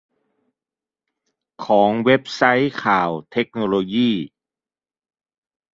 ของเว็บไซต์ข่าวเทคโนโลยี